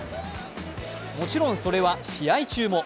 もちろん、それは試合中も。